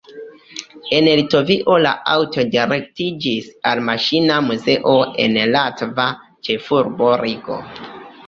El Litovio la aŭtoj direktiĝis al maŝina muzeo en latva ĉefurbo Rigo.